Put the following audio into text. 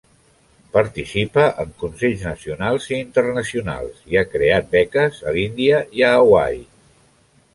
Participa en consells nacionals i internacionals i ha creat beques a l'Índia i a Hawaii.